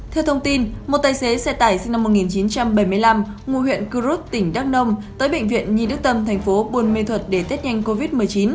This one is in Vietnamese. theo thông tin một tài xế xe tải sinh năm một nghìn chín trăm bảy mươi năm ngụ huyện cư rút tỉnh đắk nông tới bệnh viện nhi đức tâm thành phố buôn mê thuật để tết nhanh covid một mươi chín